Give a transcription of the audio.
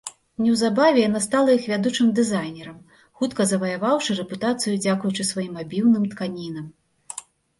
Неўзабаве яна стала іх вядучым дызайнерам, хутка заваяваўшы рэпутацыю дзякуючы сваім абіўным тканінам.